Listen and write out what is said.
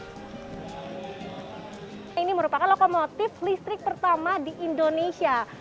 ini merupakan lokomotif listrik pertama di indonesia